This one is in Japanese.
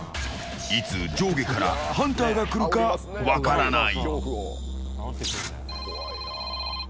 いつ上下からハンターが来るか分からない。